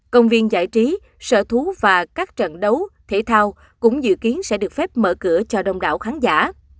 công viên giải trí sở thú và các trận đấu thể thao cũng dự kiến sẽ được phép mở cửa cho đông đảo khán giả